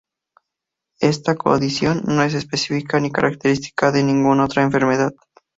Esta condición no es específica ni característica de ninguna otra enfermedad.